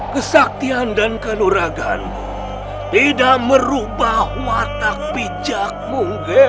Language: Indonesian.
kesaktian dan kenuraganmu tidak merubah watak bijakmu